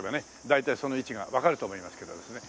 大体その位置がわかると思いますけどですね。